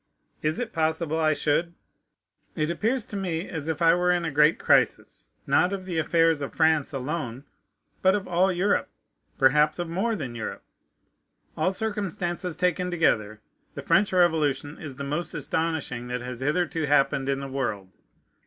Is it possible I should? It looks to me as if I were in a great crisis, not of the affairs of France alone, but of all Europe, perhaps of more than Europe. All circumstances taken together, the French Revolution is the most astonishing that has hitherto happened in the world.